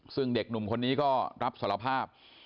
ซึ่งเด็กหนุ่มคนนี้ก็รับสารภาพ